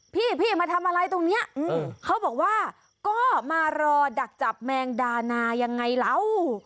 พี่พี่มาทำอะไรตรงนี้เขาบอกว่าก็มารอดักจับแมงดานายังไงเรา